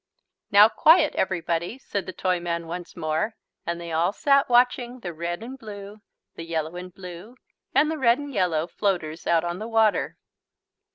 "Now quiet, everybody!" said the Toyman once more and they all sat watching the red and blue, the yellow and blue, and the red and yellow floaters out on the water.